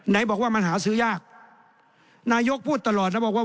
ไหนบอกว่ามันหาซื้อยากนายกพูดตลอดนะบอกว่า